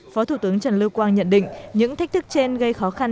phó thủ tướng trần lưu quang nhận định những thách thức trên gây khó khăn